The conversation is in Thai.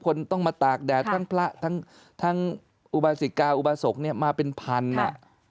คนต้องมาตากแดดทั้งพระทั้งอุบาสิกาอุบาสกเนี่ยมาเป็นพันอ่ะ